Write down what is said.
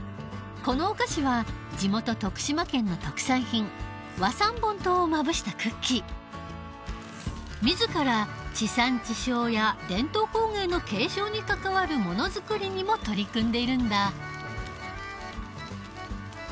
このお菓子は地元徳島県の特産品自ら地産地消や伝統工芸の継承に関わるものづくりにも取り組んでいるんだ。